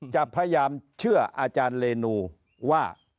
แต่ว่าอาจารย์เรนูว่า